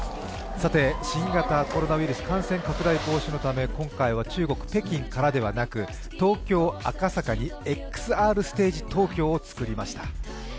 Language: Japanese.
新型コロナウイルス感染拡大防止のため、今回は中国・北京からではなく東京・赤坂にＸＲステージ東京を造りました。